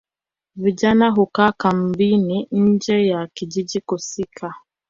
Vijana hukaa kambini nje ya kijiji husika